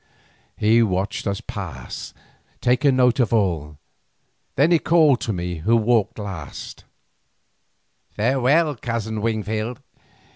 He watched us pass, taking note of all, then he called to me who walked last: "Farewell, Cousin Wingfield.